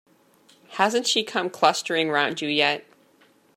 Hasn't she come clustering round you yet?